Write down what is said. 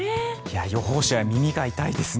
予報士は耳が痛いですね。